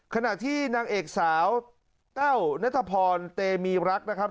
ขณะที่นางเอกสาวแต้วนัทพรเตมีรักนะครับ